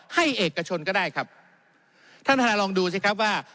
เอกชนก็ได้ครับท่านประธานลองดูสิครับว่า